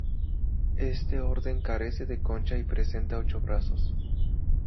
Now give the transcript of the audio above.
Este orden carece de concha y presenta ocho brazos.